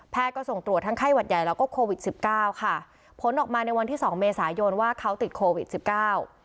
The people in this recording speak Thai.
ก็ส่งตรวจทั้งไข้หวัดใหญ่แล้วก็โควิดสิบเก้าค่ะผลออกมาในวันที่สองเมษายนว่าเขาติดโควิดสิบเก้า